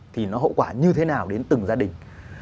thì nó hậu quả như thế nào đến từng gia đình